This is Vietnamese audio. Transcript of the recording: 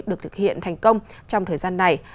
được thực hiện thành công trong thời gian này